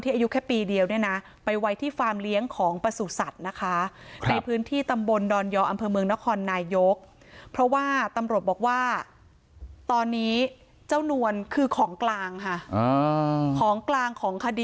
ที่อายุแค่ปีเดียวเนี่ยนะไปไว้ที่ค